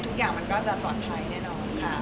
ทุกอย่างมันก็จะปลอดภัยแน่นอนค่ะ